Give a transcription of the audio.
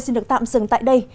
xin được tạm dừng tại đây